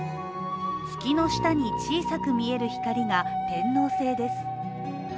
月の下に小さく見える光が天王星です。